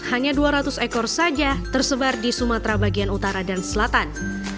hanya dua ratus ekor saja tersebar di sumatera bagian utara dan selatan